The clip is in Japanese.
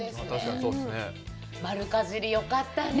丸かじりよかったね。